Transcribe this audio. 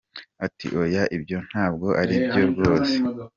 Ati , “Oya, ibyo ntabwo ari byo rwose.